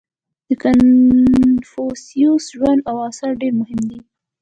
• د کنفوسیوس ژوند او آثار ډېر مهم دي.